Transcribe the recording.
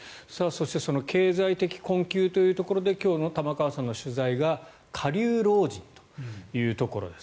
経済的困窮というところで今日の玉川さんの取材が下流老人というところです。